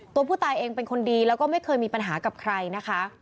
ตัวผู้ตายเองเป็นคนดีแล้วก็ไม่เคยมีปัญหากับใครนะคะ